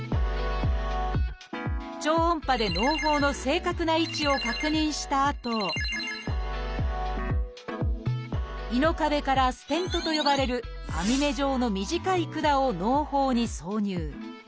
超音波でのう胞の正確な位置を確認したあと胃の壁から「ステント」と呼ばれる網目状の短い管をのう胞に挿入。